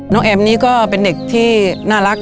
แอมนี่ก็เป็นเด็กที่น่ารัก